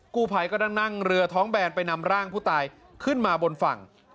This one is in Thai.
กูภัยก็ต้องนั่งเรือท้องแบนไปนำร่างผู้ตายขึ้นมาบนฝั่ง